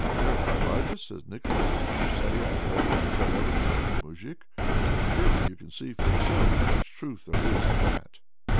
"There now, Elijah!" says Nicholas, "you say I go and tell everything to the Moujik surely you can see for yourself how much truth there is in that!"